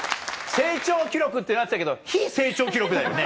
成長記録ってなってたけど非成長記録だよね。